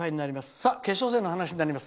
さあ、決勝戦の話になります。